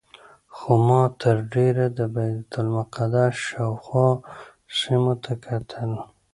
خو ما تر ډېره د بیت المقدس شاوخوا سیمو ته کتل.